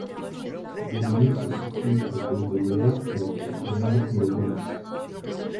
Beauménil se situe à de Bruyères, à d'Épinal et à de Nancy.